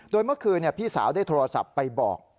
โดยเมื่อคืนพี่สาวได้โทรศัพท์ไปบอก